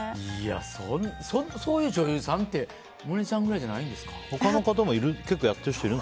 そういう女優さんって萌音さんぐらいじゃないんですか。